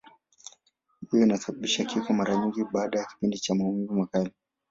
Hivyo inasababisha kifo, mara nyingi baada ya kipindi cha maumivu makali.